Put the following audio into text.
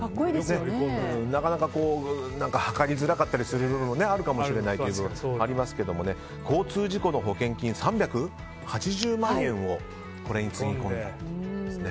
なかなかはかりづらかったりする部分もあるかもしれないという部分がありますが交通事故の保険金３８０万円をこれにつぎ込んだと。